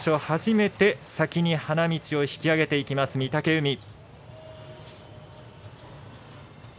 初めて先に花道を引き揚げていきます、御嶽海。